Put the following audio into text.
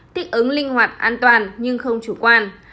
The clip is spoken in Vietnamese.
thích ứng linh hoạt an toàn nhưng không chủ quan